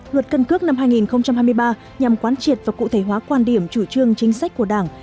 luật căn cước năm hai nghìn hai mươi ba nhằm quán triệt và cụ thể hóa quan điểm chủ trương chính sách của đảng